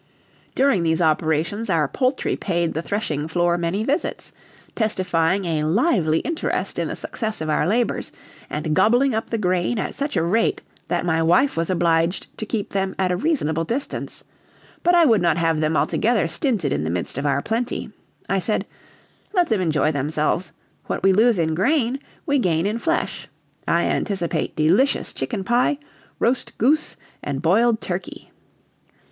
During these operations our poultry paid the threshing floor many visits, testifying a lively interest in the success of our labors, and gobbling up the grain at such a rate that my wife was obliged to keep them at a reasonable distance; but I would not have them altogether stinted in the midst of our plenty. I said, "Let them enjoy themselves; what we lose in grain, we gain in flesh. I anticipate delicious chicken pie, roast goose, and boiled turkey!"